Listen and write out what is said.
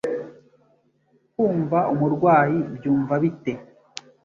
Kwumva umurwayi byumva bite?